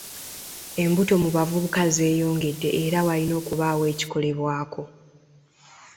Embuto mu bavbuka zeeyongedde era walina okubaawo ekikikolebwako.